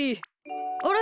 あれ？